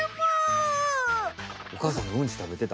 おかあさんのうんちたべてた。